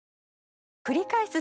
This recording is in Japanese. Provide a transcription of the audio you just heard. くりかえす